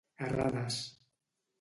errades